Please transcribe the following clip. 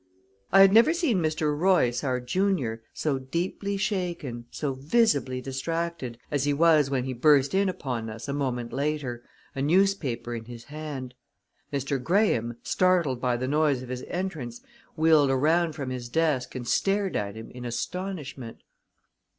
I had never seen Mr. Royce, our junior, so deeply shaken, so visibly distracted, as he was when he burst in upon us a moment later, a newspaper in his hand. Mr. Graham, startled by the noise of his entrance, wheeled around from his desk and stared at him in astonishment.